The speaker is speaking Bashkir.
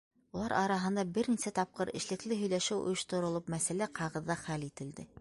Улар араһында бер нисә тапҡыр эшлекле һөйләшеү ойошторолоп, мәсьәлә ҡағыҙҙа хәл ителде.